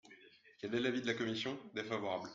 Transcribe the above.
Quel est l’avis de la commission ? Défavorable.